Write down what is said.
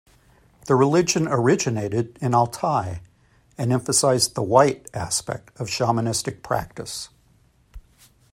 The religion originated in Altai, and emphasized the "white" aspect of shamanistic practice.